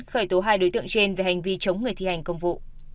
khởi tố hai đối tượng trên về hành vi chống người thi hành công vụ